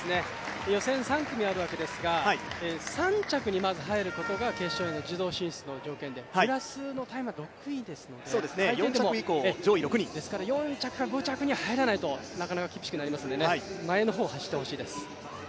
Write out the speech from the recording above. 予選３組あるわけですが３着にまず入ることが決勝への自動進出の条件でプラスのタイムは６位ですので最低でも、４着か５着に入らないとなかなか厳しくなりますので前の方走ってほしいです。